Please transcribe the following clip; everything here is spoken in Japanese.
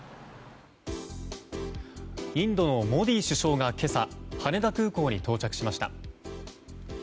インドのモディ首相が今朝羽田空港に到着しました。